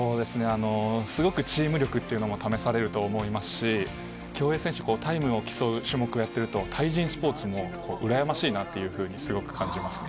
すごくチーム力っていうのも試されると思いますし、競泳選手、タイムを競う種目をやってると、対人スポーツも羨ましいなというふうにすごく感じますね。